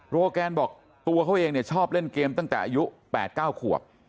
โรแกนบอกตัวเขาเองเนี่ยชอบเล่นเกมตั้งแต่อายุ๘๙ขวบ